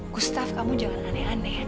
gustaf kamu jangan aneh aneh